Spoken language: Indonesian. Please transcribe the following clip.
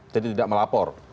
jadi tidak melapor